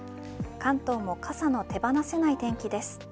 関東も傘の手放せない天気です。